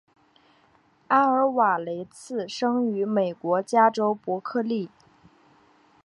阿尔瓦雷茨生于美国加州伯克利。